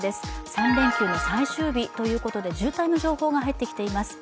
３連休の最終日ということで渋滞の情報が入ってきています。